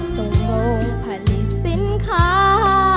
ส่งโมพลิสินค่า